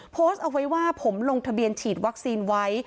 โพสต์เอาไว้ว่าผมลงทะเบียนฉีดวัคซีนไว้